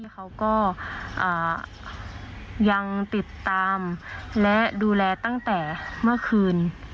เขาก็ยังติดตามและดูแลตั้งแต่เมื่อคืน